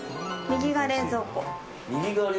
右が冷蔵庫。